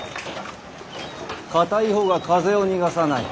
硬い方が風を逃がさない。